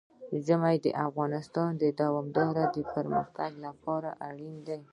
ژمی د افغانستان د دوامداره پرمختګ لپاره اړین دي.